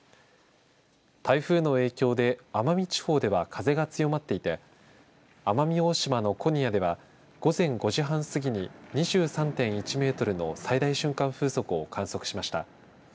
台風の影響で奄美地方では風が強まっていて奄美大島の古仁屋では午前５時半過ぎに２３．１メートルの最大瞬間風速を観測しました。